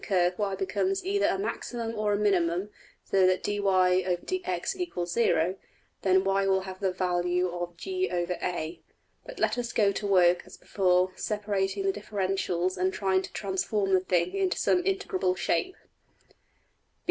png}% curve~$y$ becomes either a maximum or a minimum, so that $\dfrac{dy}{dx} = 0$, then $y$~will have the value $= \dfrac{g}{a}$. But let us go to work as before, separating the differentials and trying to transform the thing into some integrable shape.